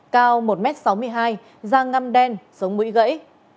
cao một m sáu mươi hai da ngăm đen sống mũi gãy